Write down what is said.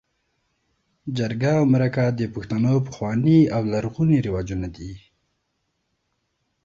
جرګه او مرکه د پښتنو پخواني او لرغوني رواجونه دي.